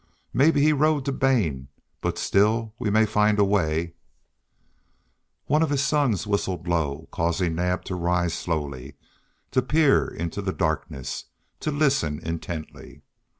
Maybe he rode to Bane, but still we may find a way " One of his sons whistled low, causing Naab to rise slowly, to peer into the darkness, to listen intently.